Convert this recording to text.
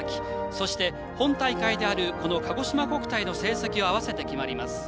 そして、本大会であるこの、かごしま国体の成績を合わせて決まります。